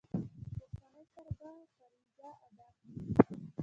په آسانۍ سره به فریضه ادا کړي.